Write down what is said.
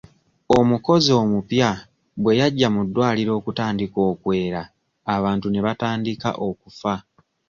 Omukozi omupya bwe yajja mu ddwaliro okutandika okwera abantu ne batandika okufa.